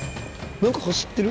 何か走ってる？